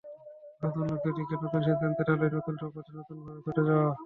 নতুন লক্ষ্যের দিকে, নতুন সিদ্ধান্তের আলোয় নতুন শপথে নতুনভাবে ছুটে যাওয়া।